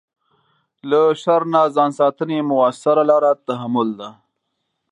له شر نه ځان ساتنې مؤثره لاره تحمل ده.